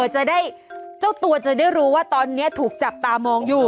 จะได้เจ้าตัวจะได้รู้ว่าตอนนี้ถูกจับตามองอยู่